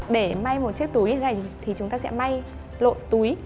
để may một chiếc túi gành thì chúng ta sẽ may lộn túi